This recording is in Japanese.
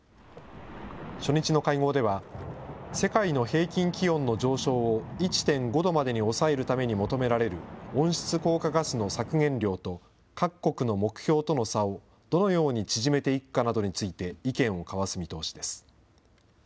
初日の会合では、世界の平均気温の上昇を１．５度までに抑えるために求められる温室効果ガスの削減量と各国の目標との差を、どのように縮めていくかなどについて意見を交わす見通しです。